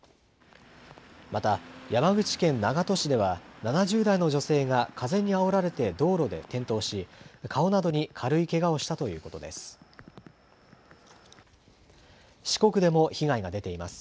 また山口県長門市では、７０代の女性が風にあおられて道路で転倒し、顔などに軽いけがをしたということです。